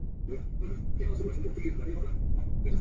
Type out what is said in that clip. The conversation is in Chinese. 这是特别有用的与进口的型号或复杂的原生模式。